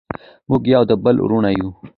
موږ یو د بل وروڼه یو.